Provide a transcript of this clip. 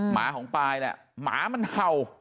หมาของปลายเนี่ยหมามันเห่า